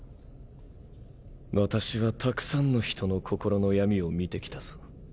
私はたくさんの人の心の闇を見てきたぞ。